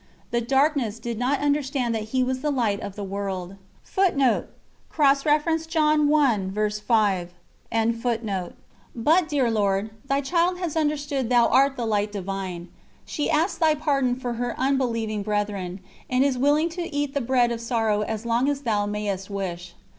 the darkness did not understand that He was the Light of the World._ But, dear Lord, Thy child has understood Thou art the Light Divine; she asks Thy pardon for her unbelieving brethren, and is willing to eat the bread of sorrow as long as Thou mayest wish.